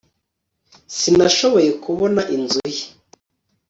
sinashoboye kubona inzu ye